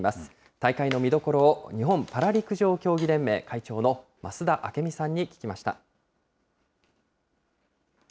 大会の見どころを、日本パラ陸上競技連盟会長の増田明美さんに聞きました。